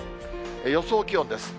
予想気温です。